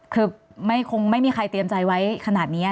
คือคงไม่มีใครเตรียมใจไว้ขนาดนี้